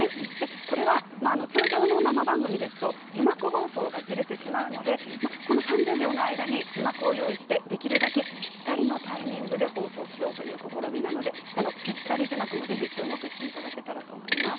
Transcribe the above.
これは通常の生番組ですと字幕放送がずれてしまうのでこの３０秒の間に字幕を用意して、できるだけぴったりのタイミングで放送しようという試みなのでこのぴったり字幕も、ぜひ注目していただければと思います。